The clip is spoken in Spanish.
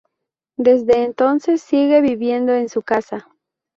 Desde entonces sigue viviendo en su casa.